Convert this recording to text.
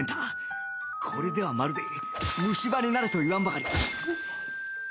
これではまるで虫歯になれと言わんばかりだ